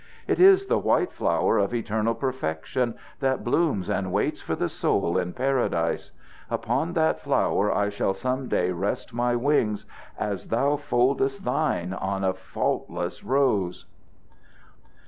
It is the white flower of eternal perfection that blooms and waits for the soul in Paradise. Upon that flower I shall some day rest my wings as thou foldest thine on a faultless rose."